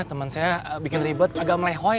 temen saya bikin ribet agak melehoy